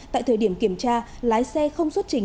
tại thời điểm kiểm tra lái xe không xuất trình